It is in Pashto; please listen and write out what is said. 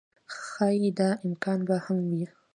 ښايي دا امکان به هم و